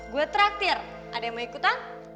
gue terakhir ada yang mau ikutan